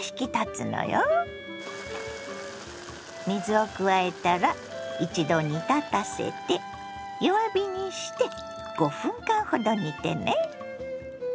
水を加えたら一度煮立たせて弱火にして５分間ほど煮てね。